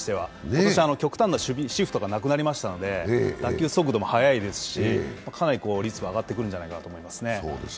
今年、極端なシフトがなくなりましたので、打球速度も速いですしかなり率が上がってくると思いますね。